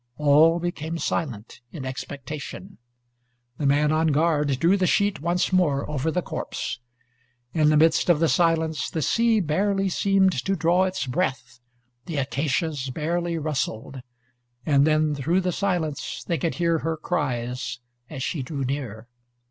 All became silent, in expectation. The man on guard drew the sheet once more over the corpse. In the midst of the silence, the sea barely seemed to draw its breath, the acacias barely rustled. And then through the silence they could hear her cries as she drew near.